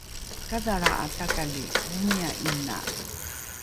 kadhalra’a takali omia ’ina